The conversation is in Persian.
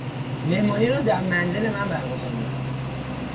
مهمانی را در منزل من برگزار میکنیم.